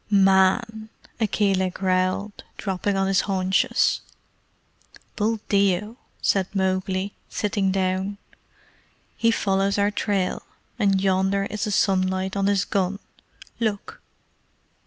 "Man!" Akela growled, dropping on his haunches. "Buldeo!" said Mowgli, sitting down. "He follows our trail, and yonder is the sunlight on his gun. Look!"